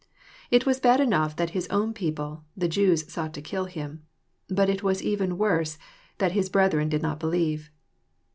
It was bad enough that His own people, " the Jew8..8ought to kill Him." But it was even worse that " His brethren did not believe."